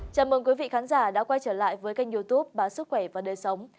chào mừng quý vị khán giả đã quay trở lại với kênh youtube báo sức khỏe và đời sống